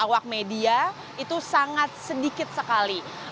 awak media itu sangat sedikit sekali